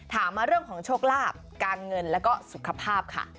ถามมาเรื่องของโชคลาภการเงินแล้วก็สุขภาพค่ะ